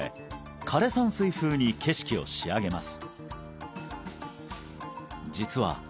枯山水風に景色を仕上げます